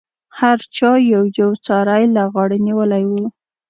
هر چا یو یو څاری له غاړې نیولی و.